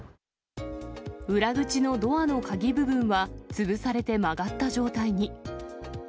裏口のドアの鍵部分は潰されて曲がった状態に。